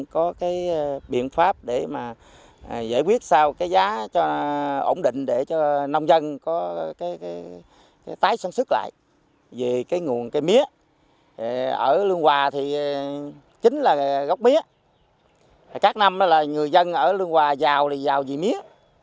chính là gốc mía các năm là người dân ở lương hòa giàu thì giàu vì mía